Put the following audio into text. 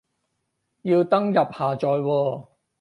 要登入下載喎